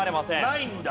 ないんだ。